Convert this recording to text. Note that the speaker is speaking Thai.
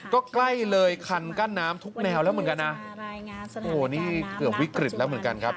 ก็ใกล้เลยคันกั้นน้ำทุกแนวแล้วเหมือนกันนะโอ้โหนี่เกือบวิกฤตแล้วเหมือนกันครับ